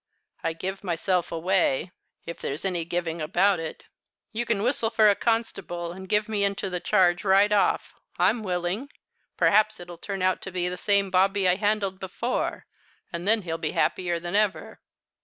I give myself away if there's any giving about it. You can whistle for a constable, and give me into charge right off; I'm willing. Perhaps it'll turn out to be the same bobby I handled before, and then he'll be happier than ever."